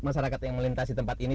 masyarakat yang melintasi tempat ini